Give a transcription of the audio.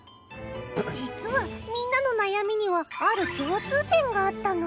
実はみんなの悩みにはある共通点があったの。